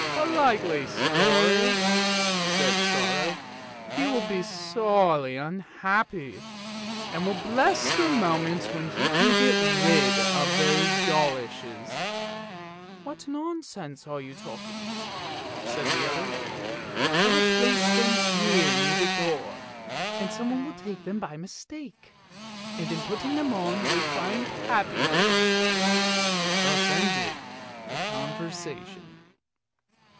"" A likely story! " said Sorrow; " he will be sorely unhappy, and will bless the moment when he can get rid of the goloshes! "" What nonsense you are talking," said the other; " I will place them here near the door, and someone will take them by mistake, and in putting them on will find happiness." Thus ended the conversation.